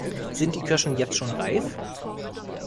Sind die Kirschen jetzt schon reif?